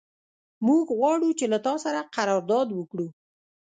موږ غواړو چې له تا سره قرارداد وکړو.